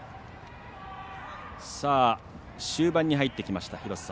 終盤に入ってきました。